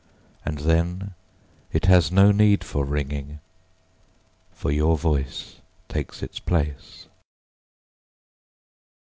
And then, it has no need for ringing, For your voice takes its place.